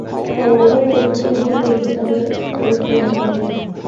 পরের ওভারেই রোহিতের সঙ্গে ভুল বোঝাবুঝির ফাঁদে পড়ে ফিরে যান কোহলিও।